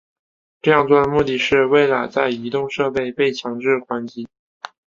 这样做的目的是为了在移动设备被强制关机。